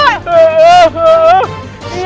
tanya kenting manik